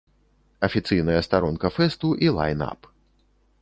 Афіцыйная старонка фэсту і лайн-ап.